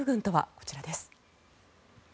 こちらです。